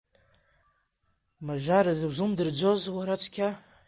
Мажара дузымдырӡоз уара цқьа?